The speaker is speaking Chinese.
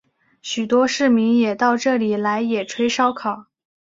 许多市民也到这里来野炊烧烤。